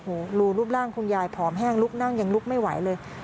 โอ้โหรูรูปร่างคุณยายผอมแห้งลุกนั่งยังลุกไม่ไหวเลย